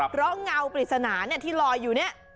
เพราะเงาปริศนาที่ลอยอยู่เนี่ย